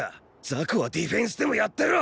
ザコはディフェンスでもやってろ！